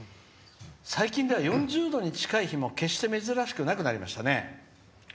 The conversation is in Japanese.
最近では４０度に近い日も決して、珍しくなくなりましたね。